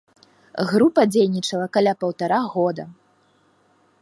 Група дзейнічала каля паўтара года.